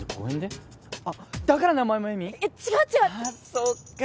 そっか。